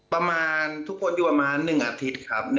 ประมาณทุกคนอยู่ประมาณ๑อาทิตย์ครับ